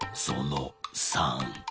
その３。